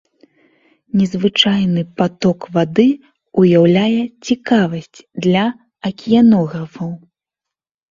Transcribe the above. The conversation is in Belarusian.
Незвычайны паток вады ўяўляе цікавасць для акіянографаў.